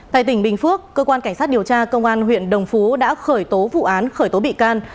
tại tỉnh bình phước cơ quan cảnh sát điều tra công an huyện đồng phú đã khởi tố vụ án khởi tố bị can